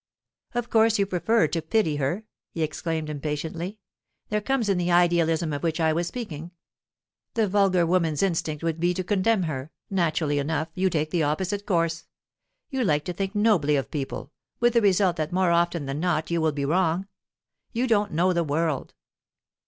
"Of course you prefer to pity her!" he exclaimed impatiently. "There comes in the idealism of which I was speaking. The vulgar woman's instinct would be to condemn her; naturally enough, you take the opposite course. You like to think nobly of people, with the result that more often than not you will be wrong. You don't know the world."